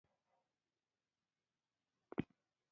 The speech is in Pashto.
د صداقت وینا د انسان عزت دی.